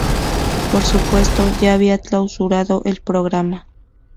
Por supuesto, ya habían clausurado el programa.